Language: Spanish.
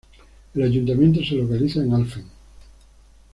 El ayuntamiento se localiza en Alphen.